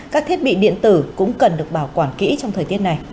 các thiết bị điện tử cũng cần được bảo quản kỹ trong thời tiết này